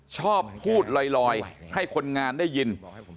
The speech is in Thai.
ชอบพูดลอยให้คนงานได้ยิน